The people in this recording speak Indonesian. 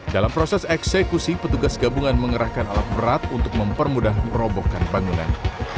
dalam proses eksekusi petugas gabungan mengerahkan alat berat untuk mempermudah merobohkan bangunan